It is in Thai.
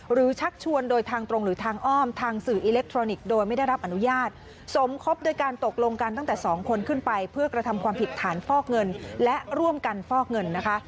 ชักชวนโดยทางตรงหรือทางอ้อมทางสื่ออิเล็กทรอนิกส์โดยไม่ได้รับอนุญาตสมคบโดยการตกลงกันตั้งแต่สองคนขึ้นไปเพื่อกระทำความผิดฐานฟอกเงินและร่วมกันฟอกเงินนะคะ